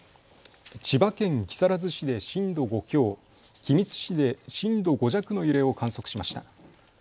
千葉県木更津市で震度５強、君津市で震度５弱の揺れを観測しました。